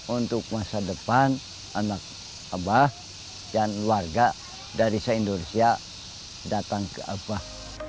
untuk masa depan anak abah dan warga dari se indonesia datang ke abah